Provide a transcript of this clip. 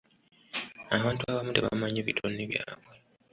Abantu abamu tebamanyi bitone byabwe.